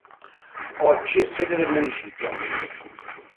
Oggi è sede del municipio.